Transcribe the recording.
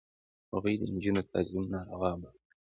هغوی د نجونو تعلیم ناروا باله.